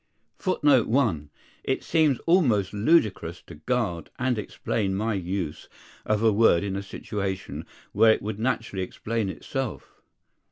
[Footnote 1: It seems almost ludicrous to guard and explain my use of a word in a situation where it would naturally explain itself.